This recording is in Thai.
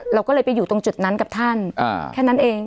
เราก็เลยไปอยู่ตรงจุดนั้นกับท่านแค่นั้นเอง